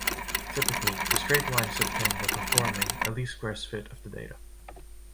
Typically, the straight line is obtained by performing a least-squares fit of the data.